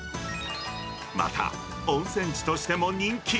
また、温泉地としても人気。